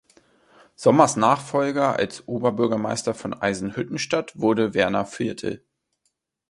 Sommers Nachfolger als Oberbürgermeister von Eisenhüttenstadt wurde Werner Viertel.